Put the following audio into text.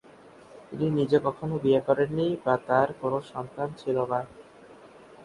তিনি নিজে কখনও বিয়ে করেননি বা তার কোনও সন্তান ছিল না।